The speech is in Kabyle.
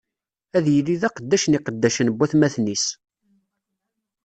Ad yili d aqeddac n iqeddacen n watmaten-is!